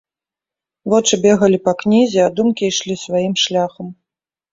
Вочы бегалі па кнізе, а думкі ішлі сваім шляхам.